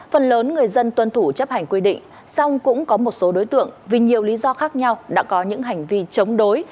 phần lớn người dân tuân thủ chấp hành quy định xong cũng có một số đối tượng vì nhiều lý do khác nhau đã có những hành vi chống đối